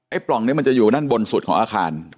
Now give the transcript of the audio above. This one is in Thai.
ปล่องนี้มันจะอยู่ด้านบนสุดของอาคาร